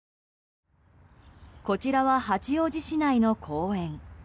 こちらは八王子市内の公園。